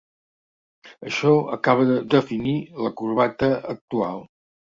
Això acaba de definir la corbata actual.